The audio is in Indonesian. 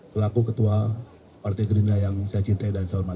selaku ketua partai gerinda yang saya cintai dan selamat